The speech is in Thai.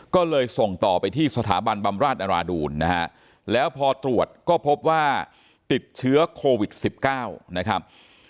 ก็เลยส่งต่อไปที่สถาบันบำราชอราดูลนะฮะแล้วพอตรวจก็พบว่าติดเชื้อโควิด๑๙นะครับ